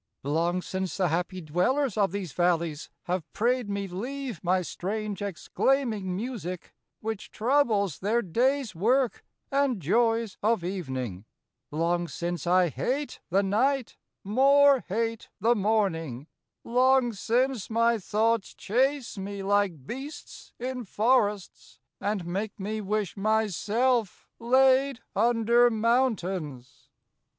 Long since the happie dwellers of these vallies, Have praide me leave my strange exclaiming musique , Which troubles their dayes worke, and joyes of evening : Long since I hate the night , more hate the morning : Long since my thoughts chase me like beasts in for rests. And make me wish my selfe layd under mountaines . Strephon.